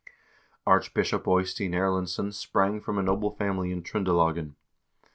Archbishop Eystein Erlendsson sprang from a noble family in Tr0ndelagen.